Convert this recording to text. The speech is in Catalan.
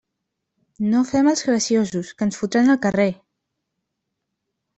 No fem els graciosos, que ens fotran al carrer.